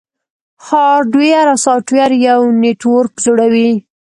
هارډویر او سافټویر یو نیټورک جوړوي.